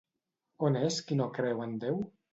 On és qui no creu en Déu?